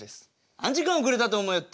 何時間遅れたと思いよって！